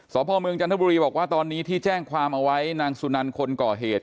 พ่อเมืองจันทบุรีบอกว่าตอนนี้ที่แจ้งความเอาไว้นางสุนันคนก่อเหตุ